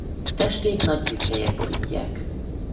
Testét nagy pikkelyek borítják.